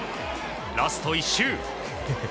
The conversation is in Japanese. ラスト１周。